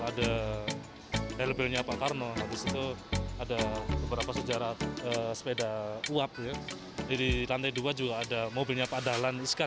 ada helbelnya pak karno habis itu ada beberapa sejarah sepeda uap di lantai dua juga ada mobilnya pak dahlan iska